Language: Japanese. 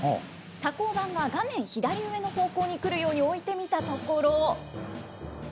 多孔板が画面左上の方向に来るように置いてみたところ。